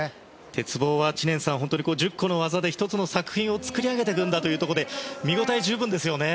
鉄棒は１０個の技で１つの作品を作り上げていくんだというところで見応え十分ですよね。